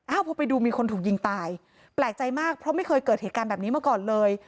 พอไปดูมีคนถูกยิงตายแปลกใจมากเพราะไม่เคยเกิดเหตุการณ์แบบนี้มาก่อนเลย